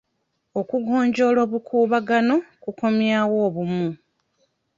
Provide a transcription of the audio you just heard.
Okugonjoola obukuubagano kukomyawo obumu.